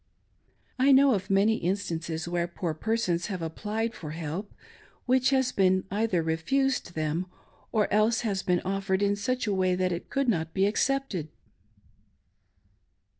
I know of many instances where poor persons have applied for help, which has either been refused them, or else has been offered in such a way that it could not be accepted.